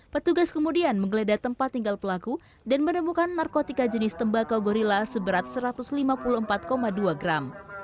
petugas kemudian menggeledah tempat tinggal pelaku dan menemukan narkotika jenis tembakau gorilla seberat satu ratus lima puluh empat dua gram